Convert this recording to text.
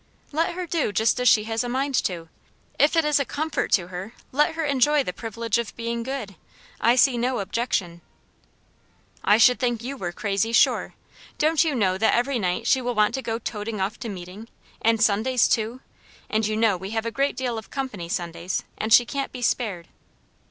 "Let her do just as she has a mind to. If it is a comfort to her, let her enjoy the privilege of being good. I see no objection." "I should think YOU were crazy, sure. Don't you know that every night she will want to go toting off to meeting? and Sundays, too? and you know we have a great deal of company Sundays, and she can't be spared."